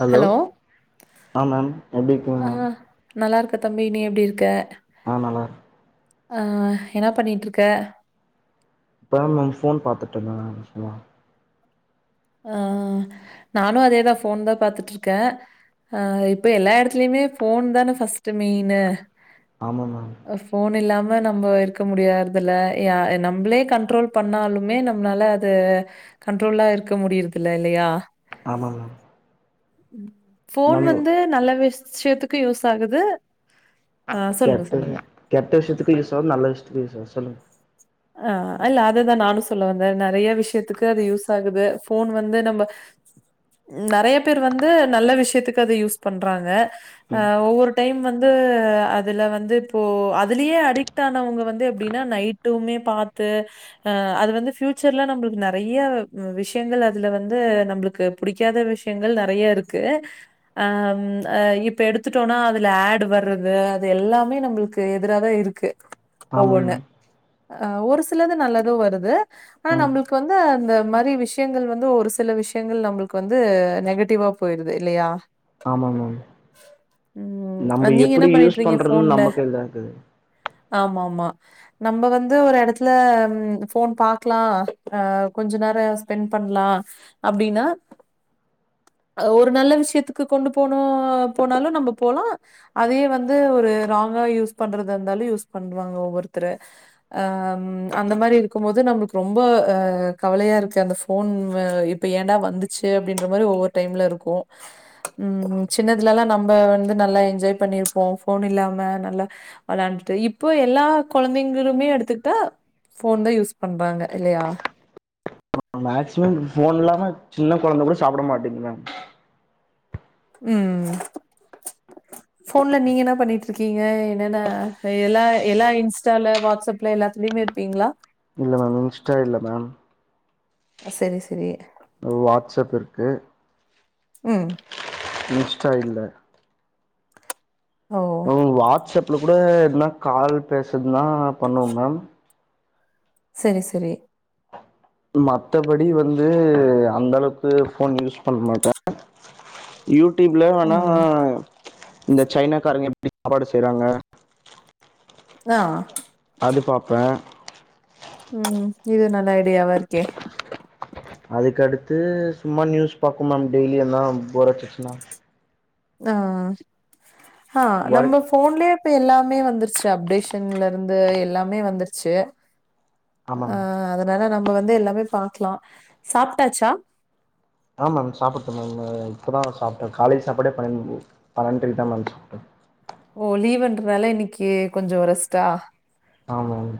Hello ஆ ma'am எப்டி இருக்கீங்க ஆ மேம் நல்லா இருக்க தம்பி நீ எப்டி இருக்க ஆ நல்லா அ என்ன பண்ணீட்ருக்க இப்பதா மேம் ஃபோன் பாத்துட்டு இருந்தே அதிசயமா அ நானு அதேதா ஃபோன் தா பாத்துட்ருக்க அ இப்ப எல்லா எடத்துலயுமே ஃபோன் தான ஃபர்ஸ்ட் மெயினு ஆமா மேம் ஃபோன் இல்லாம நம்ப இருக்க முடியாறதுல்ல யா நம்பளே கண்ட்ரோல் பண்ணாலுமே நம்மளால து கண்ட்ரோல்ட்டா இருக்க முடியறதுல்ல இல்லையா ஆமா மேம் ஃபோன் மேம் வந்து நல்ல விஷயத்துக்கு யூஸ் ஆகுது ஆ சொல்லுங்க கெட்ட சொல்லுங்க விஷ கெட்ட விஷயத்துக்கு யூஸ் ஆவுது நல்ல விஷயத்துக்கு யூஸ் ஆவுது சொல்லுங்க அ இல்ல அததா நானு சொல்ல வந்த நறைய விஷயத்துக்கு அது யூஸ் ஆகுது ஃபோன் வந்து நம்ப நறைய பேர் வந்து நல்ல விஷயத்துக்கு அத யூஸ் பண்றாங்க அ ம் ஒவ்வொரு டைம் வந்து அதுல வந்து இப்போ அதுலயே அடிக்ட் ஆனவங்க வந்து எப்டின்னா நைட் டுமே பாத்து அ அது வந்து ப்பியூச்சர்ல நம்பளுக்கு நறைய விஷயங்கள் அதுல வந்து நம்பளுக்கு க்கு புடிக்காத விஷயங்கள் நறைய இருக்கு அ ம் அ இப்ப எடுத்துட்டோனா அதுல ஆட் வர்றது அது எல்லாமே நம்பள்க்கு எதிரா தா இருக்கு ஆமா ஒவ்வொன்னு. மேம் அ ஒரு சிலது நல்லது வருது அனா ம் நம்பளுக் கு வந்து அந்த மாறி விஷயங்கள் வந்து ஒரு சில விஷயங்கள் நம்பளுக்கு வந்து நெகட்டிவா போயிருது இல்லயா ஆமா மேம் ம் அஹ் நம்ப நீங்க என்ன எப்படி யூஸ் பண்ணிட்டுறீங்க பண்றன்னு நமக்கு கைல தா இருக்குது ஆமாம்மா நம்ப வந்து ஒரு எடத்துல ம் ஃபோன் பாக்லா அ கொஞ்ச நேர ஸ்பெண்ட் பண்லா அப்டின்னா ஒரு நல்ல விஷயத்துக்கு கொண்டு போணு போனாலு நம்ப போலா அதயே வந்து ஒரு ராங்கா யூஸ் பண்றதா இருந்தாலு யூஸ் பண்வாங்க ஒவ்வொருத்தரு அ அந்த மாறி இருக்கும் போது நம்மளுக்கு ரொம்ப அ கவலையா இருக்கு அந்த ஃபோன் அ இப்ப ஏன்டா வந்துச்சு அப்டின்ற மாறி ஒவ்வொரு டைம்ல இருக்கு ம் ம் சின்னதுலலா நம்ப வந்து நல்லா என்ஜாய் பண்ணியிருப்போ ஃபோன் இல்லாம நல்ல விளாண்டுட்டு இப்போ எல்லா கொழந் தைகளுமே எடுத்துகிட்டா ஃபோன் தா யூஸ் பண்றாங்க இல்லையா மேக்சிமம் ஃபோன் இல்லாம சின்ன கொழந்த கூட சாப்பிட மாட்டுங்குது மேம் ம் ஃபோன்ல நீங்க என்ன பண்ணிட் இருக்கீங்க என்னென்ன எல்லா எல்லா இன்ஸ் டால வாட்ஸ்அப்ல எல்லாத்துலுயுமே இருப்பீங்களா இல்ல மேம் இன்ஸ்டா இல்ல மேம் அ சேரி சேரி வாட்ஸ்அப் இருக்கு ம் இன்ஸ்டா இல்ல ஓ ம் வாட்ஸ்அப்ல கூட எதுனா கால் பேசறதுன்னா பண்ணுவ மேம் சரி சரி மத்தபடி வந்து அந்த அளவுக்கு ஃபோன் யூஸ் பண்ண மாட்ட யூட்டியூப்ல வேணா ம் இந்த சைனாக்காரங்க எப்டி சாப்பாடு செய்றாங்க அ அது பாப்பே ம் இது நல்லா ஐடியாவா இருக்கே அதுக்கடுத்து சும்மா நியூஸ் பாக்கு மேம் டெய்லியு எதுனா போர் அச்சிச்சுன்னா அ ஆ ஒர்க் நம்ப ஃபோன்லயே இப்ப எல்லாமே வந்துருச்சு அப்டேஷன்ல இருந்து எல்லாமே வந்துருச்சு ஆமா அ மேம் அதுனால நம்ப வந்து எல்லாமே பாக்லா சாப்ட்டாச்சா அ மேம் சாப்புட்ட மேம் இப்ப தா சாப்ட்டே காலை சாப்பாடே பன்னெண் பன்னென்றைக்கு தா மேம் சாப்ட்ட ஓ லீவ்ன்றதுனால இன்னக்கி கொஞ்சோ ரெஸ்டா ஆமா மேம்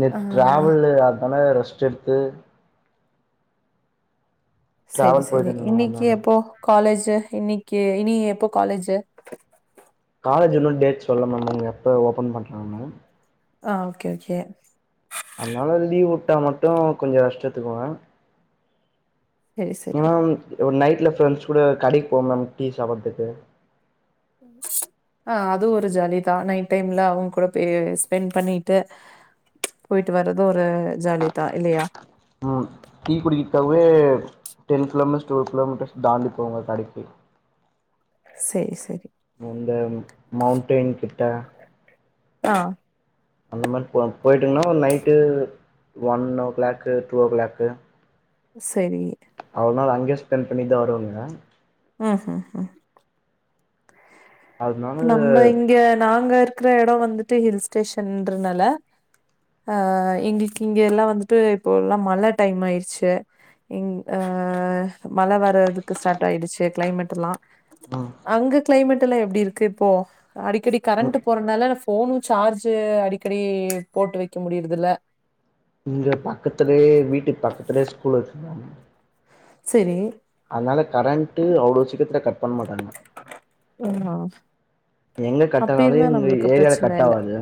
நேத்து ஆ டிராவல்லு அதுனால ரெஸ்ட் எடுத்து சேரி டிராவல் போயிட்டு சேரி இருந்தே மேம் இன்னிக்கு அதனால எப்போ காலேஜு இன்னிக்கு இனி எப்போ காலேஜு காலேஜு இன்னு டேட் சொல்லல மேம் எப்ப ஓபன் பண்றாங்கன்னு ஆ ஓகே ஓகே அதுனால லீவ் உட்டா மட்டு கொஞ்சோ ரெஸ்ட் எடுத்துக்குவ சரி, சரி. ஏனா ஒ நைட்ல ஃப்ரெண்ட்ஸ் கூட கடைக்கு போவ மேம் டீ சாப்புட்றதுக்கு அ அதுவு ஒரு ஜாலி தா நைட் டைம்ல அவுங்க கூட பேய் ஸ்பெண்ட் பண்ணிட்டு போயிட்டு வர்றது ஒரு ஜாலிதா இல்லியா ம் டீ குடிக்கித்துத்தாகவே டென் கிலோமீட்ஸ் டூ கிலோமீட்டர்ஸ் தாண்டி போவாங்க கடைக்கு சேரி சேரி இந்த மவுண்டெயின் கிட்ட அ அந்த மாரி போ போயிட்டங்ன்னா ஒரு night one o'clock two o'clock சரி அவ்ளோ நேரோ அங்கயே ஸ்பெண்ட் பண்ணிட்டு தா வருவங்க அ அதனால இப்ப நம்ப இங்க நாங்க இருக்குற எடோ வந்துட்டு ஹில் ஸ்டேஷன்றதுனால அ எங்ளுக்கு இங்க எல்லா வந்துட்டு இப்போ எல்லா மழ டைம் ஆயிடுச்சு இங் அ மழ வரதுக்கு ஸ்டார்ட் ஆயிடுச்சு கிளைமேட் எல்லா ஆ அங்க கிளைமேட் எல்லா எப்டி இருக்கு இப்போ அடிக்கடி ம் கரண்ட்டு போறனால ஃபோனும் சார்ஜு அடிக்கடி போட்டு வைக்க முடியிறதில்ல இங்க பக்கத்துலயே வீட்டுக்கு பக்கத்துலயே ஸ்கூல் வச்சிருக்காங்க சேரி அதுனால கரண்ட்டு அவ்ளோ சீக்கரத்துல கட் பண்ண மாட்டாங்க ஆ எங்க அப்டி கட்டானாலும் இருந்தா எங்க நம்மளுக்கு ஏரியால கட் ஆவாது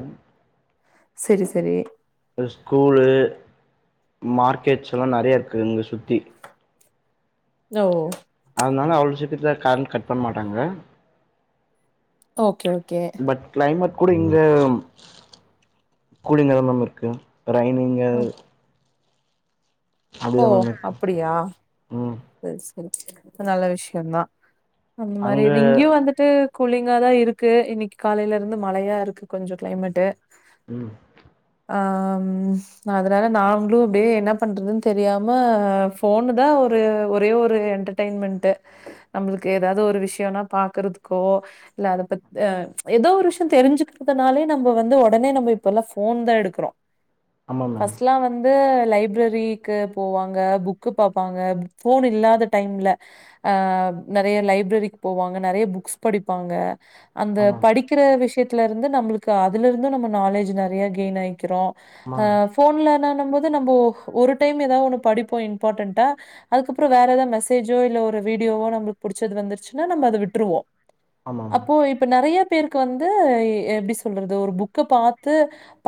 சேரி சேரி ஒரு ஸ்கூலு மார்க்கெட்ஸ்ல்லா நிறையா இருக்கு இங்க சுத்தி என்ன ஓ அதனால அவ்ளோ சீக்கிரத்துல கரண்ட் கட் பண்ண மாட்டாங்க ஓகே ஓகே பட் கிளைமேட் கூட இங்க கூலிங்கா தா மேம் இருக்கு ரைனிங்கு ஆ, ஓ அப்டிதா மேம் இருக்கு அப்டியா ம் சேரி சேரி நல்ல விஷயம்தான் அந்த மாறி அங்க இங்கயும் வந்து ட்டு கூலிங்கா தான் இருக்கு இன்னிக்கு காலையில இருந்து மழையா இருக்கு கொஞ்சம் கிளைமேட்டு் ம் ஆ ம் அதனால நாங்களும் அப்டே என்ன பண்றதுன்னு தெரியாம ஃபோனு தான் து ஒரே ஒரு என்டர்டைன்மெண்ட் நம்மளுக்கு ஏதாவது ஒரு விஷயம்னா பாக்றதுக்கோ இல்ல அதைப்பத் அ ஏதோ ஒரு விஷயம் தெரிஞ்சுக்கிறதுனாலே நம்ப வந்து உடனே நம்ம இப்ப எல்லாம் ஃபோன் தான் எடுக்கறோ ஆமா மேம் ஃபர்ஸ்ட்லாம் வந்து லைப்ரரிக்கு போவாங்க புக்கு பாப்பாங்க ஃபோன் இல்லாத டைம்ல அ நிறைய லைப்ரரிக்கு போவாங்க நிறைய புக்ஸ் படிப்பாங்க அந்த ஆமா படிக்கிற விஷயத்துல இருந்து நம்மளுக்கு அதுல இருந்தும் நம்ம நாலேஜ் நிறைய கெயின் ஆய்க்கிறோம் ஆமா அ மேம் ஃபோன்லனான்னும் போது நம்போ ஒரு டைம் ஏதாவது ஒண்ணு படிப்போம் இம்பார்ட்டன்டா அதுக்கப்பறம் வேற ஏதாவது மெசேஜோ இல்ல ஒரு வீடியோவோ நம்மளுக்கு புடிச்சது வந்துருச்சுன்னா நம்ப அத விட்டுருவோம் ஆமா மேம் அப்போ இப்ப நிறைய பேருக்கு வந்து எப்டி சொல்றது ஒரு புக்க பாத்து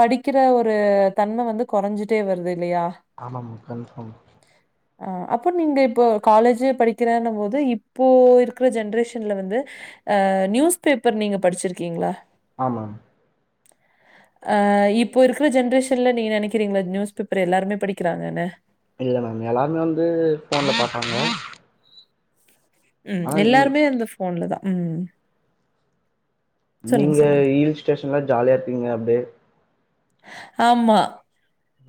படிக்கிற ஒரு தன்ம வந்து குறஞ்சிட்டே வருது இல்லையா ஆமா மேம் கன்பாஃர்ம் அ அப்போ நீங்க இப்போ காலேஜ்ல படிக்கிறன்னும் போது இப்போ இருக்கிற ஜென்ரேஷன்ல வந்து அ நியூஸ் பேப்பர் நீங்க படிச்சிருக்கீங்களா ஆ மேம் அ இப்போ இருக்கிற ஜென்ரேஷன்ல நீங்க நினைக்கறீங்களா நியூஸ் பேப்பர் எல்லாருமே படிக்கிறாங்கன்னு இல்ல மேம் எல்லோருமே வந்து ஃபோன்ல பாப்பாங்க ம் ஆனா எல்லாருமே இந்த ஃபோன்ல தான் ம் ம் ம் நீங்க சொல்லுங்க. ஹீல் ஸ்டேஷன்ல ஜாலியா இருப்பீங்க அப்டே ஆமா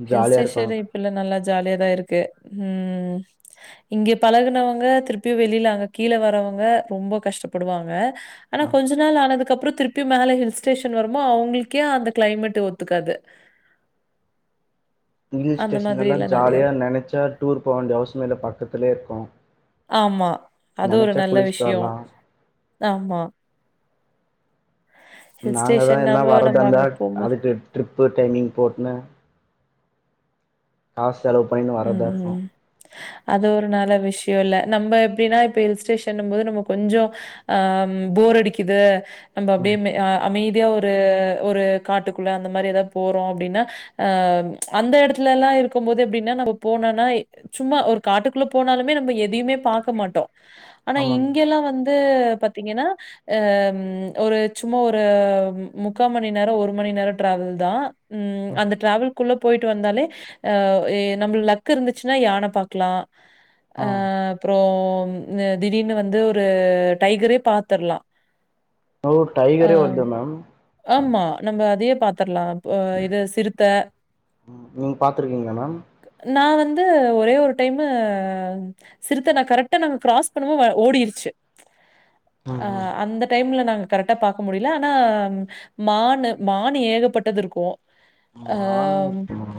ஹில் ஜாலியா இருக்கணு ஸ்டேஷனே ல்ல நல்லா ஜாலியாதான் இருக்கு ம் இங்க பழகுனவங்க திருப்பியும் வெளில அங்க கீழ வரவங்க ரொம்ப கஷ்டப்படுவாங்க ஆனா கொஞ்ச நாள் ஆனதுக்குப்புறம் திருப்பியும் மேல ஹில் ஸ்டேஷன் வரும்போ அவங்களுக்கே அந்த கிளைமேட் ஒத் துக்காது ஹில் ஸ்டேஷன்லல்லாம் ஜாலியா நினைச்சா டூர் போக வேண்டிய அவசியமே இல்ல பக்கத்துலயே இருக்கும் ஆமா அது ஒரு நல்ல குளிச்சுட்டு விஷயம் வரலா ஆமா ஹில் நாங்க தான் எல்லா ஸ்டேஷன்னாவ நம்ம வரதா நம்ம இருந்தா அங்க போம்போது அதுக்கு ட்ரிப்பு டைமிங் போட்டுன்னு காஸ் செலவு பண்ணின்னு உம் வரதா உம் இருக்கு உம் அது ஒரு நல்ல விஷ்யொ இல்ல நம்ப எப்படின்னா இப்ப ஹில் ஸ்டேஷனும் போது நம்ப கொஞ்சம் அ போர் அடிக்குது நம்ப அப்டியே ம் மெ அ அமைதியா ஒரு ஒரு காட்டுக்குள்ள அந்த மெரி ஏதாவ்து போறோம் அப்டின்னா அ அந்த எடத்துல எல்லா இருக்கும் போது எப்டி ன்னா நம்ப போனோனா சும்மா ஒரு காட்டுக்குள்ள போனாலுமே நம்ம எதையுமே பாக்க மாட்டோம் ஆனா ஆமா மேம் இங்கல்லாம் வந்து பாத்தீங்கன்னா அ ஒரு சும்மா ஒரு முக்கா மணி நேரம் ஒரு மணி நேரம் டிராவல் தான் உம் ம் அந்த டிராவல் குள்ள போயிட்டு வந்தாலே அ ஏ நம்ளுக்கு லக்கு இருந்துச்சுன்னா யானை பாக்லாம் அ ஆ அப்புறம் ந திடீர்னு வந்து ஒரு டைகரே பாத்தர்லாம் ஓ டைகரே வருது மேம் ஆமா நம்ப அதையே பாத்தர்லாம் இப்ப இது சிறுத்த ம் நீங்க பாத்துருக்கீங்களா மேம் நா வந்து ஒரே ஒரு டைமு சிறுத்த நா கரெக்டா நாங்க கிராஸ் பண்ணுவோ ஓடிர்ச்சு அ ம் ம் அந்த டைம்ல நாங் கரெக்டா பாக்க முடியல ஆனா மானு மான் ஏகப்பட்டது இருக்கும் மானுங்க அம் இருக்கு மேம்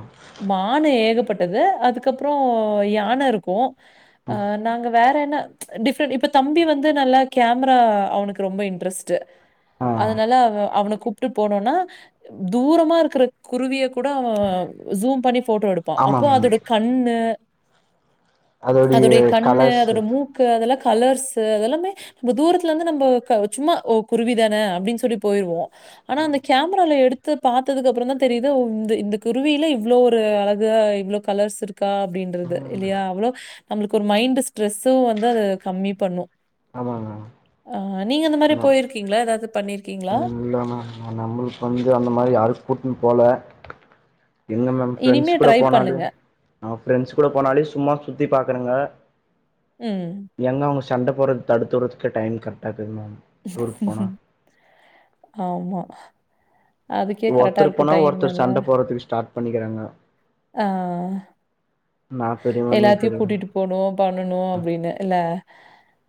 மான் ஏகப்பட் டது அதுக்கப்புறம் யான இருக்கும் அ ம் நாங்க வேற என்ன டிஃப்ரெண்ட் இப்ப தம்பி வந்து நல்லா கேமரா அவனுக்கு ரொம்ப இன்ட்ரெஸ்ட் ஆ அதனால அவ அவன கூப்ட்டு போனோனா தூரமா இருக்க குருவிய கூட அவன் ஜூம் பண்ணி போட்டோ எடுப் ஆமாங்க கண்ணு அதோடைய கண்ணு அதோட மூக் க்கு அதெல்லாம் கலர்ஸு அதெல்லாமே இப்ப தூரத்துல இருந்து நம்ம க சும்மா குருவிதான அப்டின்னு சொல்லி போயிருவோம் ஆனா ம் அந்த கேமரால எடு த்து பாத்ததுக்கு அப்புறம் தா தெரியுது ஓ இந்த இந்த குருவியில இவ்வளோ ஒரு அழகா இவ்வளோ கலர்ஸ் இருக் க்கா அப்படின்றது ம் இல்லையா அவ்ளோ நம்மளுக்கு ஒரு மைண்ட் ஸ்ட்ரெஸ்ஸும் வந்து அத கம்மி பண்ணும் ஆமாங்க ஆ நீங்க இந்த மாரி போயிருக்கீங்களா ஏதாவது பண்ணியிருக்கீங்களா இல்லங்க ஆ நம்மளுக்கு வந்து அந்த மாரி யாரும் கூட்டுன்னு போல எங்க மேம் இனிமே ஃப்ரெண்ட்ஸ் கூட ட்ரை பண்ணுங்க. போனாலும் நம் ஃப்ரெண்ட்ஸ் கூட போனாலே சும்மா சுத்தி பாக்குறேங்க ம் எங்க அவங்க சண்ட போடுறது தடுத்துடுறதுக்கே டைம் கரெக்டா ஆகுது மேம் டூருக்கு போனா ஆமா அதுக்கே கரெக்டா ஒருத்தர் இருக்கும் போனா டைம் ஒருத்தர் சண்ட எல்லாம் போடுறதுக்கு ஸ்டார்ட் பண்ணிக்கிறாங்க ஆ நா பெரியவ நீ பெரியவ போனும் பண்ணனும் அப்டின்னு இல்ல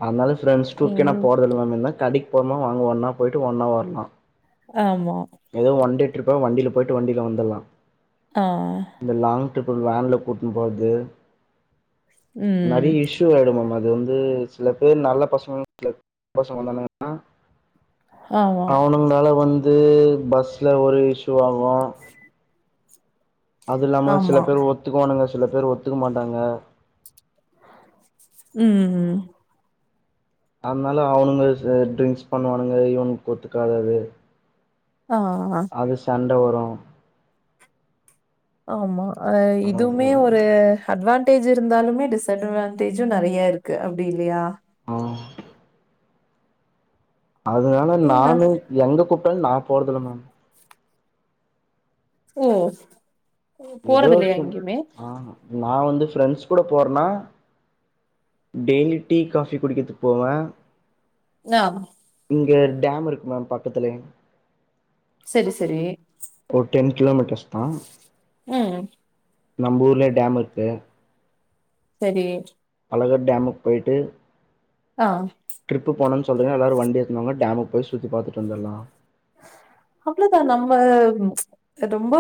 அதனால ஃப்ரெண்ட்ஸ் டூர்க்கே நா இங் போறதில்ல மேம் இருந்தா கடைக்கு போன வாங்க ஒன்னா போயிட்டு ஒன்னா வரலாம் ஆமா ஏதோ ஒன்டே ட்ரிப்பா வண்டியில போயிட்டு வண்டில வந்தரலா ஆ இந்த லாங் டரிப் வேன்ல கூட்டு போது ம். நெறைய இஷ் து [unintelligible] மேம் அது வந்து சில பேர் நல்ல பசங்க [unintelligible] ச பசங்க வந்தன்னா ஆமா, அவனுங்களால வந்து பஸ்ல ஒரே இஷூ ஆகு அது இல்லாம சில ஆமா. பேர் ஒத்துக்கவானுங்க சில பேர் ஒத்துக்க மாட்டாங்க ம் ம் ம் அதனால அவனுங்க ட்ரிங்க்ஸ் பண்ணுவானுங்க இவனுக்கு ஒத்துக்காதாது ஆ அ ஒரே சண்டை வரு ஆமா அ இதுமே ஒரு அட்வான்டேஜ் இருந்தாலுமே டிஸ்அட்வான்டேஜு நெறைய இருக்கு அப்டி இல்லயா ஆ அதனால அப்டின்னா நானு எங்க கூப்பிட்டாலு நா போறதில்ல மேம் ஓ ஏதோ போறதில்லையா சும் எங்கிமே ஆ நா வந்து ஃப்ரெண்ட்ஸ் கூட போறேனா டெய்லி டீ காஃபி குடிக்கிறதுக்கு போவே ஆ இங்கே டேம் இருக்கு மேம் பக்கத்துலே செரி செரி ஒரு டென் கிலோமீட்டர்ஸ் தா ம் நம்ம ஊர்ல டேம் இருக்கு செரி அழகா டேமுக்கு போயி்ட்டு ஆ ட்ரிப்பு போனன்னு சொல்லிற எல்லாரு வண்டி எத்துனுவாங்க டேமுக்கு போய் சுத்தி பாத்துட்டு வந்துலா அவ்ளோதா நம்ம ரொம்ப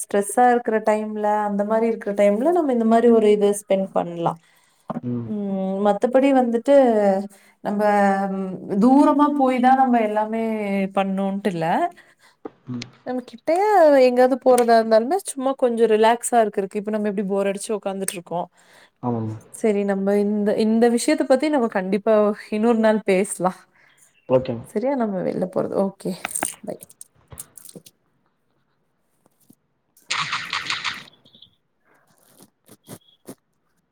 ஸ்ட்ரெஸ்ஸா இருக்கிற டைம்ல அந்த மாரி இருக்கிற டைம்ல நம்ம இந்த மாரி ஒரு இது ஸ் பெண்ட் பண்லா ம் மத்த ப்டி வந்துட்டு நம்ம தூரமா போயி தா நம்ம எல்லாமே பண்ணுன்ட்டு இல்ல ம் நம்மக்கிட்டயே எங்காது போறதா இருந்தாலுமே சும்மா கொஞ்சோ ரிலாக்ஸா இருக்கறக்கு இப்போ நம்ம எப்டி போர் அடுச்சு உக்காந்துட்டுருக்கோ ஆமாமா செரி நம்ம இந்த இந்த விஷயத்த பத்தி நம்ம கண்டிப்பா இன்னொரு நாள் பேசலா ஓகே மேம் சரியா நம்ம வெளிய போறது ஓகே பை